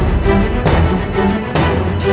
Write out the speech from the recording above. aku patut mengapau buddha